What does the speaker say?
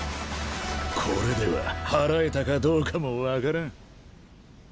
これでは祓えたかどうかも分からん。